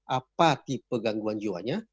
apa tipe gangguan jiwanya